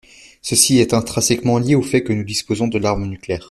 Ceci est intrinsèquement lié au fait que nous disposons de l’arme nucléaire.